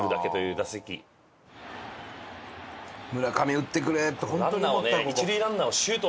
村上打ってくれ！ってホントに思ったここ。